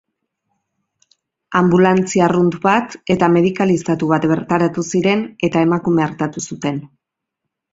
Anbulantzia arrunt bat eta medikalizatu bat bertaratu ziren, eta emakumea artatu zuten.